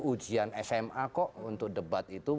ujian sma kok untuk debat itu